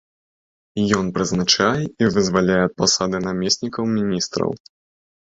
Ён прызначае і вызваляе ад пасады намеснікаў міністраў.